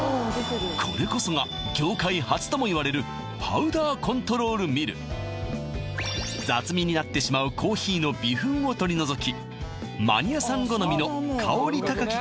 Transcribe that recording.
これこそが業界初ともいわれる雑味になってしまうコーヒーの微粉を取り除きマニアさん好みの香り高き